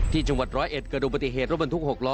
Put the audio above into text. ที่จังหวัดร้อยเอ็ดเกิดดูปฏิเหตุรถบรรทุก๖ล้อ